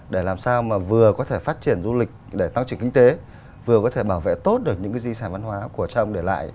để làm sao mà vừa có thể phát triển du lịch để tăng trưởng kinh tế vừa có thể bảo vệ tốt được những cái di sản văn hóa của cha ông để lại